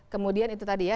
kemudian itu tadi ya